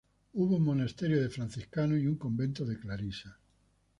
Hubo un monasterio de franciscanos y un convento de Clarisas.